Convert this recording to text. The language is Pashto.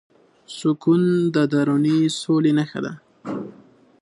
سکون د دروني سولې نښه ده.